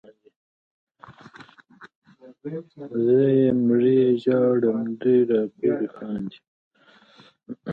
زه یې مړی ژاړم دوی راپورې خاندي